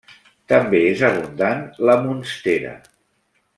També és abundant la monstera.